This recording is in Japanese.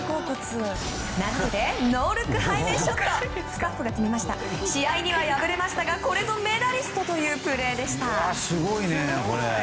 名付けてノールック背面ショット。試合には敗れましたがこれぞメダリストというプレーでした。